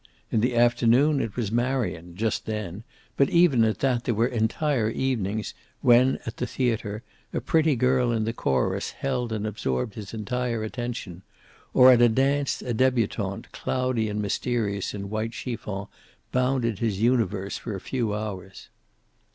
In the afternoon it was Marion, just then, but even at that there were entire evenings when, at the theater, a pretty girl in the chorus held and absorbed his entire attention or at a dance a debutante, cloudy and mysterious in white chiffon, bounded his universe for a few hours.